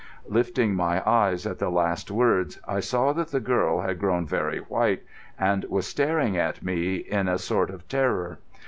Lifting my eyes at the last words, I saw that the girl had grown very white and was staring at me in a sort of terror.